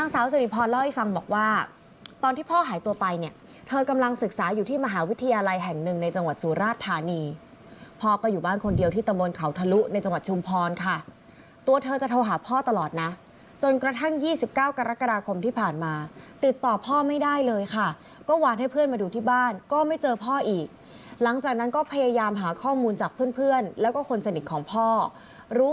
สาอยู่ที่มหาวิทยาลัยแห่งหนึ่งในจังหวัดสุราชธานีพอก็อยู่บ้านคนเดียวที่ตะโมนเขาทะลุในจังหวัดชุมพรค่ะตัวเธอจะโทรหาพ่อตลอดนะจนกระทั่ง๒๙กรกฎาคมที่ผ่านมาติดต่อพ่อไม่ได้เลยค่ะก็หวานให้เพื่อนมาดูที่บ้านก็ไม่เจอพ่ออีกหลังจากนั้นก็พยายามหาข้อมูลจากเพื่อนแล้วก็คนสนิทของพ่อรู้